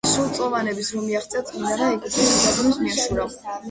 სრულწლოვანებას რომ მიაღწია, წმინდანმა ეგვიპტის უდაბნოს მიაშურა.